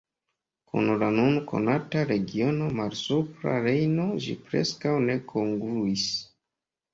Kun la nun konata regiono Malsupra Rejno ĝi preskaŭ ne kongruis.